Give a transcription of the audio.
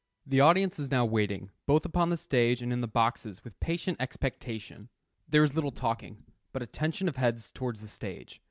The audience is now waiting, both upon the stage and in the boxes, with patient expectation. There is little talking, but a tension of heads towards the stage.